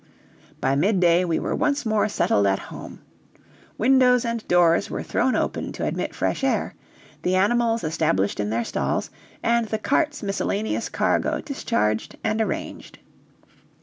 By midday we were once more settled at home. Windows and doors were thrown open to admit fresh air; the animals established in their stalls; and the cart's miscellaneous cargo discharged and arranged.